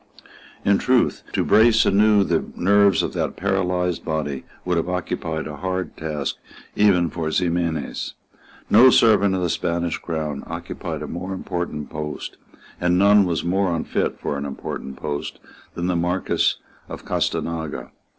In truth to brace anew the nerves of that paralysed body would have been a hard task even for Ximenes. No servant of the Spanish Crown occupied a more important post, and none was more unfit for an important post, than the Marquess of Gastanaga.